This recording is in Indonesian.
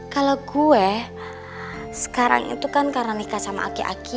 kalau gue sekarang itu kan karena nikah sama aki aki